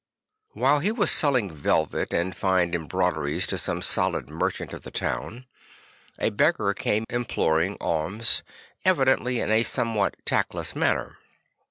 While he was selling velvet and fine embroideries to some solid merchant of the town, a beggar came imploring alms; evidently in a somewhat tactless manner.